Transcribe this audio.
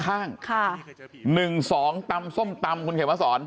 ข้าง๑๒ตำส้มตำคุณเขียนมาสอน